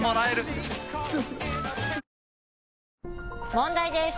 問題です！